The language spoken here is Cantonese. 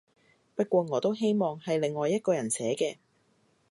不過我都希望係另外一個人寫嘅